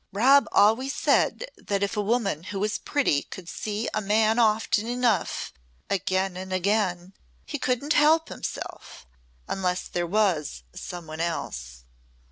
"Rob always said that if a woman who was pretty could see a man often enough again and again he couldn't help himself unless there was some one else!"